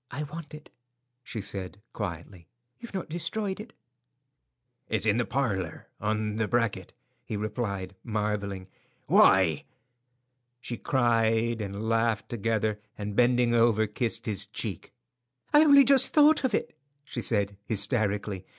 "I want it," she said, quietly. "You've not destroyed it?" "It's in the parlour, on the bracket," he replied, marvelling. "Why?" She cried and laughed together, and bending over, kissed his cheek. "I only just thought of it," she said, hysterically.